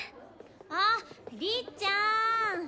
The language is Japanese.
あっりっちゃん。